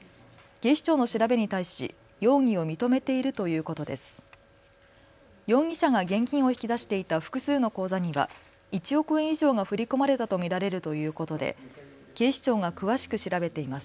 警視庁の調べに対し容疑を認めているということです。